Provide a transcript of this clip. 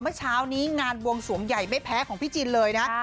เมื่อเช้านี้งานบวงสวงใหญ่ไม่แพ้ของพี่จินเลยนะ